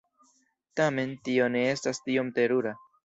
Tamen, tio ne estas tiom terura.